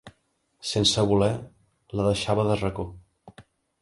Sense voler, la deixava de racó.